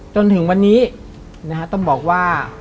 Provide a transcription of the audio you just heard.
จนถึงวันนี้ต้องบอกว่า